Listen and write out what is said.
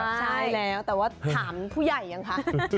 ใช่แล้วแต่ว่าถามผู้ใหญ่ยังคะ